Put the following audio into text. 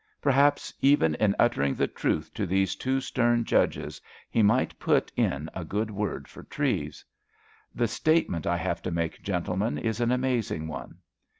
Perhaps, even in uttering the truth to these two stern judges, he might put in a good word for Treves. "The statement I have to make, gentlemen, is an amazing one."